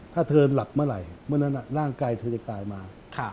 ถ้าเธอหลับเมื่อไหร่เมื่อนั้นร่างกายเธอจะกลายมา